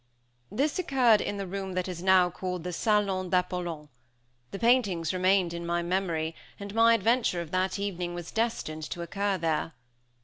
This occurred in the room that is now called the "Salon d'Apollon." The paintings remained in my memory, and my adventure of that evening was destined to occur there.